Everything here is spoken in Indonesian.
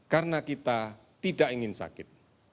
karena kita tidak ingin sakit